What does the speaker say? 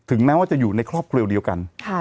แม้ว่าจะอยู่ในครอบครัวเดียวกัน